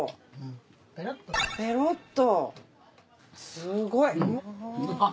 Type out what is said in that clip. すごい。